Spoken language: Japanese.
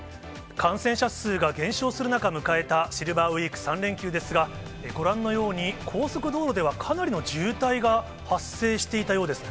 感染者数が減少する中、迎えたシルバーウィーク３連休ですが、ご覧のように、高速道路ではかなりな渋滞が発生していたようですね。